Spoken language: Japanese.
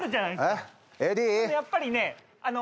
やっぱりねあの。